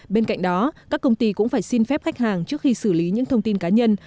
bên cạnh đó các công ty cũng phải xin phép khách hàng trước khi xử lý những thông tin cá nhân